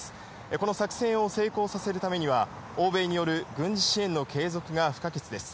この作戦を成功させるためには、欧米による軍事支援の継続が不可欠です。